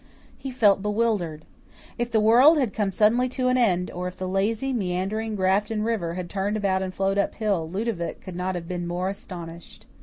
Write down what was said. He felt bewildered. If the world had come suddenly to an end or if the lazy, meandering Grafton River had turned about and flowed up hill, Ludovic could not have been more astonished.